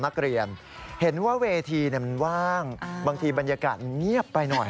พิธีกรเลย